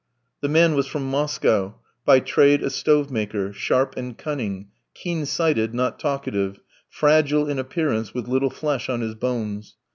The man was from Moscow, by trade a stove maker, sharp and cunning, keen sighted, not talkative, fragile in appearance, with little flesh on his bones.